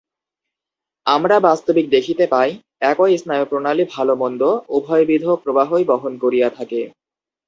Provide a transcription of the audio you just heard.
আমরা বাস্তবিক দেখিতে পাই, একই স্নায়ুপ্রণালী ভাল-মন্দ উভয়বিধ প্রবাহই বহন করিয়া থাকে।